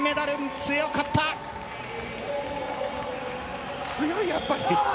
強い、やっぱり！